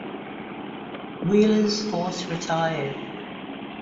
Wheeler's force retired.